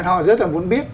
họ rất là muốn biết